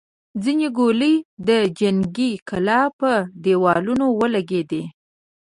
ځينې ګولۍ د جنګي کلا پر دېوالونو ولګېدې.